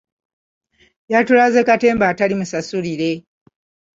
Yatulaze katemba atali musasulire.